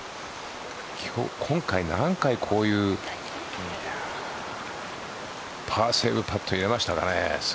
今回、何回こういうパーセーブパットを入れましたかね。